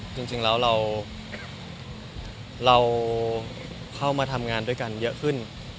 จริงแล้วเราเข้ามาทำงานด้วยกันเยอะขึ้น